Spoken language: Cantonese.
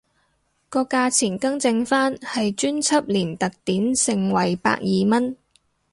個價錢更正返係專輯連特典盛惠百二蚊